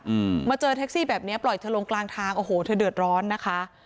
อืมมาเจอแท็กซี่แบบเนี้ยปล่อยเธอลงกลางทางโอ้โหเธอเดือดร้อนนะคะ